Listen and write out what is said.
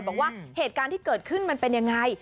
บอกว่าเหตุการณ์ที่เกิดขึ้นมันเป็นยังไง